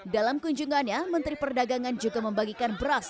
dalam kunjungannya menteri perdagangan juga membagikan beras